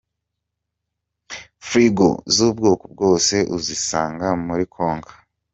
Frigo z'ubwoko bwose uzisanga muri Konka.